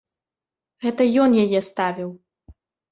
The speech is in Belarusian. Гэта ён яе ставіў.